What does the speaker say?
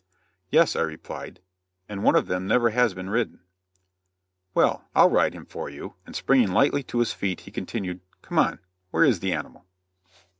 "Yes," I replied, "and one of them never has been ridden." "Well, I'll ride him for you;" and springing lightly to his feet, he continued: "come on. Where is the animal?"